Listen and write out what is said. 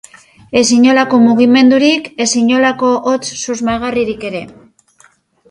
Ez inolako mugimendurik, ez inolako hots susmagarririk ere.